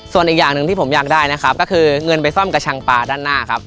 ส่วนอีกอย่างหนึ่งที่ผมอยากได้นะครับก็คือเงินไปซ่อมกระชังปลาด้านหน้าครับ